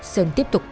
sơn tiếp tục